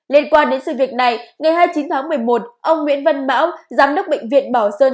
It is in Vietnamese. liên quan đến sự việc này ngày hai mươi chín tháng một mươi một ông nguyễn văn mão giám đốc bệnh viện bảo sơn